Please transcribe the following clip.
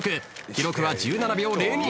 記録は１７秒０２。